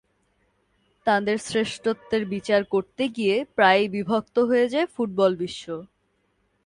তাঁদের শ্রেষ্ঠত্বের বিচার করতে গিয়ে প্রায়ই বিভক্ত হয়ে যায় ফুটবল বিশ্ব।